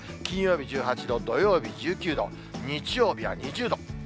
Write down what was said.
金曜日１８度、土曜日１９度、日曜日は２０度。